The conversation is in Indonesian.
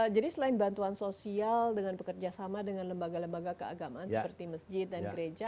jadi selain bantuan sosial dengan pekerjasama dengan lembaga lembaga keagamaan seperti masjid dan gereja